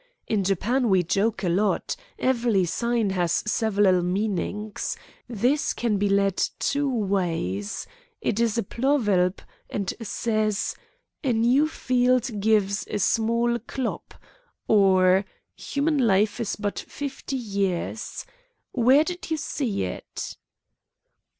"In Japan we joke a lot. Evely sign has sevelal meanings. This can be lead two ways. It is a plovelb, and says, 'A new field gives a small clop,' or 'Human life is but fifty years.' Where did you see it?"